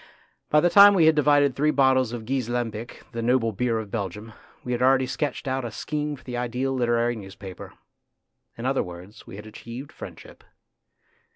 By the time we had divided three bottles of Gueze Lambic, the noble beer of Belgium, we had already sketched out a scheme for the ideal literary newspaper. In other words, we had achieved friendship.